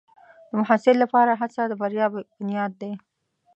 د محصل لپاره هڅه د بریا بنیاد دی.